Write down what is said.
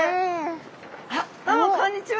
あらどうもこんにちは。